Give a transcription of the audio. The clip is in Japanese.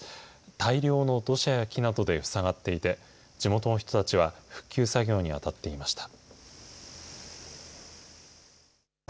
大量の土砂や木などで塞がっていて、地元の人たちは復旧作業に当たっていました。